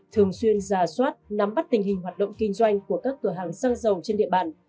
thường xuyên giả soát nắm bắt tình hình hoạt động kinh doanh của các cửa hàng xăng dầu trên địa bàn